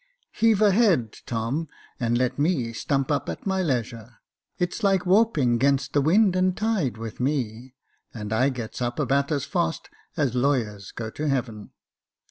*' Heave a head, Tom, and let me stump up at my leisure. It's like warping 'gainst wind and tide with me — and I gets up about as fast as lawyers go to heaven."